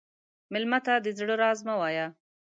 مېلمه ته د زړه راز مه وایه.